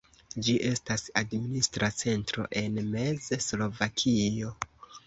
Ĝi estas administra centro en Mez-Slovakio.